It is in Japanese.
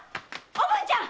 おぶんちゃん！